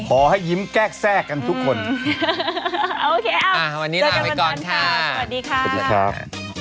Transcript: ขอให้ยิ้มแกล้กแทรกกันทุกคนโอเคอ้าววันนี้ลาไปก่อนค่ะสวัสดีครับ